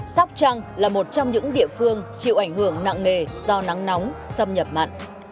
sóc trăng là một trong những địa phương chịu ảnh hưởng nặng nề do nắng nóng xâm nhập mặn